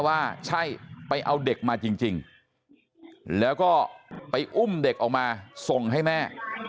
ว่าใช่ไปเอาเด็กมาจริงแล้วก็ไปอุ้มเด็กออกมาส่งให้แม่